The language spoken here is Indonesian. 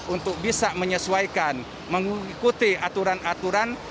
untuk bisa menyesuaikan mengikuti aturan aturan